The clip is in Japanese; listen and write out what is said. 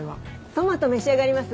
トマト召し上がります？